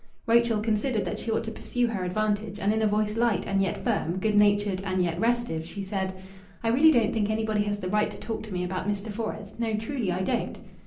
Rachel considered that she ought to pursue her advantage, and in a voice light and yet firm, good natured and yet restive, she said "I really don't think anybody has the right to talk to me about Mr. Fores.... No, truly I don't."